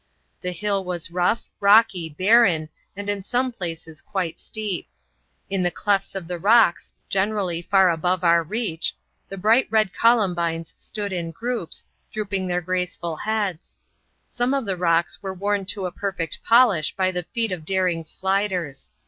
The hill was rough, rocky, barren, and in some places quite steep. In the clefts of the rocks, generally far above our reach, the bright red columbines stood in groups, drooping their graceful heads. Some of the rocks were worn to a perfect polish by the feet of daring sliders.